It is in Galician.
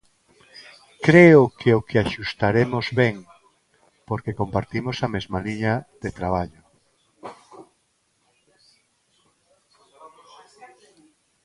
Creo que o que axustaremos ben, porque compartimos a mesma liña de traballo.